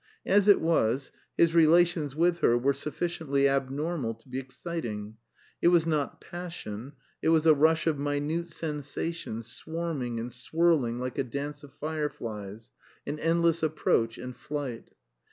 As it was, his relations with her were sufficiently abnormal to be exciting; it was not passion, it was a rush of minute sensations, swarming and swirling like a dance of fire flies an endless approach and flight.